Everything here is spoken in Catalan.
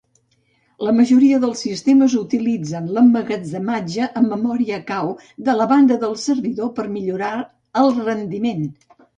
La majoria dels sistemes utilitzen l'emmagatzematge en memòria cau de la banda del servidor per millorar el rendiment.